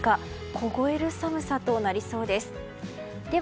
凍える寒さとなりそうです。